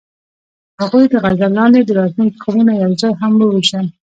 هغوی د غزل لاندې د راتلونکي خوبونه یوځای هم وویشل.